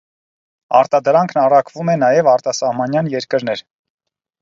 Արտադրանքն առաքվում է նաև արտասահմանյան երկրներ։